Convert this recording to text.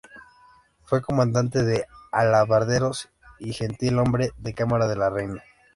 Fue comandante de alabarderos y gentilhombre de cámara de la reina.